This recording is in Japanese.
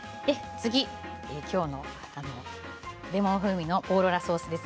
次はきょうのレモン風味のオーロラソースです。